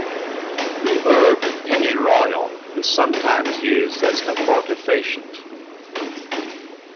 The herb pennyroyal is sometimes used as an abortifacient.